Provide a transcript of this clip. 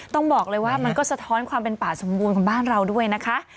ต้องบอกเลยว่ามันก็สะท้อนความเป็นป่าสมบูรณ์ของบ้านเราด้วยนะคะ